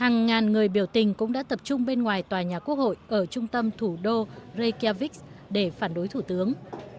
hàng ngàn người biểu tình cũng đã tập trung bên ngoài tòa nhà quốc hội ở trung tâm thủ đô rekiavich để phản đối thủ tướng